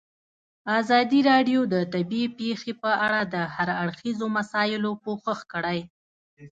ازادي راډیو د طبیعي پېښې په اړه د هر اړخیزو مسایلو پوښښ کړی.